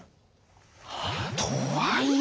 とはいえ。